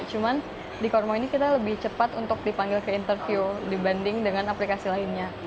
cuman di kormo ini kita lebih cepat untuk dipanggil ke interview dibanding dengan aplikasi lainnya